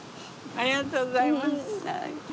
ありがとうございます。